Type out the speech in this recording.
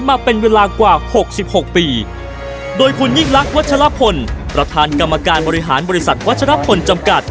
มาเป็นเวลากว่าหกสิบหกปีโดยคุณยิ่งลักษณวัชลพลประธานกรรมการบริหารบริษัทวัชรพลจำกัด